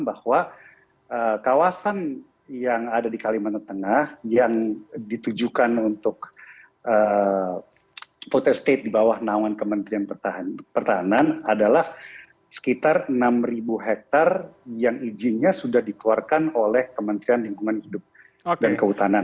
bahwa kawasan yang ada di kalimantan tengah yang ditujukan untuk putus state di bawah namun kementrian pertahanan adalah sekitar enam ribu hektar yang izinnya sudah dikeluarkan oleh kementrian hidup dan kehutanan